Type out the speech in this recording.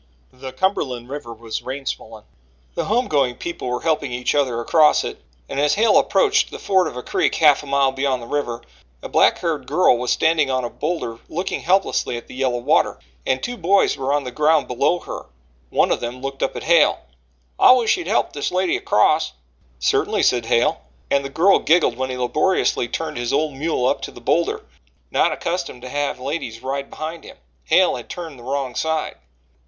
The Cumberland River was rain swollen. The home going people were helping each other across it and, as Hale approached the ford of a creek half a mile beyond the river, a black haired girl was standing on a boulder looking helplessly at the yellow water, and two boys were on the ground below her. One of them looked up at Hale: "I wish ye'd help this lady 'cross." "Certainly," said Hale, and the girl giggled when he laboriously turned his old mule up to the boulder. Not accustomed to have ladies ride behind him, Hale had turned the wrong side.